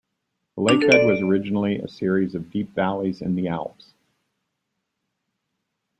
The lake bed was originally a series of deep valleys in the Alps.